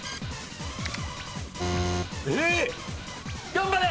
頑張れ！